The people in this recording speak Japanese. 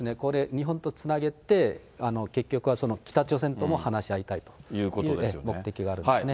日本とつなげて、結局はその、北朝鮮とも話し合いたいという目的があるんですね。